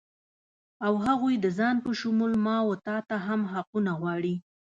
او هغوی د ځان په شمول ما و تاته هم حقونه غواړي